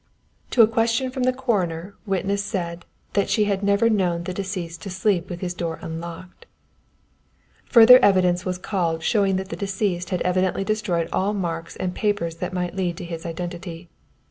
_ "To a question from the coroner witness said that she had never known the deceased to sleep with his door unlocked. "_Further evidence was called showing that deceased had evidently destroyed all marks and papers that might lead to his identity.